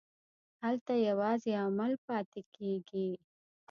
هلته یوازې عمل پاتې کېږي.